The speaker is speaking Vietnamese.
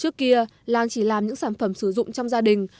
trước kia lan chỉ làm những sản phẩm sử dụng trong gia đình